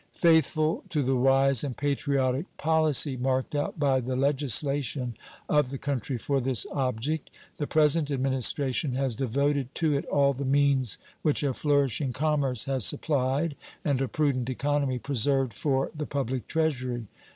Faithful to the wise and patriotic policy marked out by the legislation of the country for this object, the present Administration has devoted to it all the means which a flourishing commerce has supplied and a prudent economy preserved for the public Treasury.